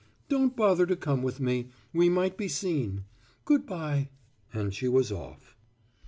"Don't bother to come with me. We might be seen. Good bye." And she was off.